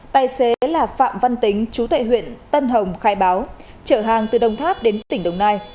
tài xế là phạm văn tính chú tệ huyện tân hồng khai báo chở hàng từ đồng tháp đến tỉnh đồng nai